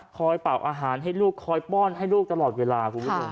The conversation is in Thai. คอยเตรียมอาหารให้ลูกคอยป้อนให้ลูกตลอดเวลา